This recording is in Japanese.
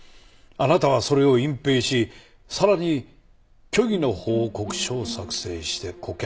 あなたはそれを隠蔽しさらに虚偽の報告書を作成して顧客に提示した。